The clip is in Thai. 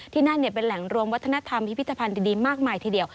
ที่นั่นเป็นแหล่งรวมวัฒนธรรมพิพิธภัณฑ์ดีมากมายทีเดียว